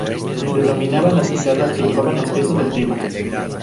Predominan las guitarras, que llevan el peso del tema.